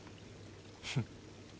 フッ。